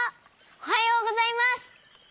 おはようございます。